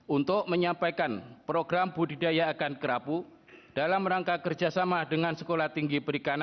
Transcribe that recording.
untuk menyampaikan program budidaya akan kerapu dalam rangka kerjasama dengan sekolah tinggi perikanan